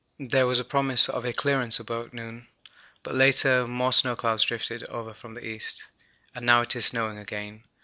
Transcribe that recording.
There was a promise of a clearance about noon, but later more snow clouds drifted over from the east, and now it is snowing again.